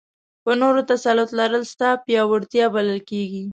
په نورو تسلط لرل ستا پیاوړتیا بلل کېږي.